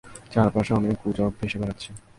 চারপাশে অনেক গুজব ভেসে বেড়াচ্ছে।